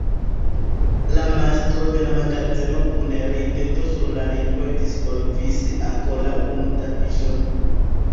La mastro de la magazeno kun rideto sur la lipoj disvolvis ankoraŭ unu tapiŝon.